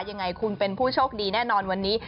ยังไงคุณเป็นผู้โชคดีแน่นอนวันนี้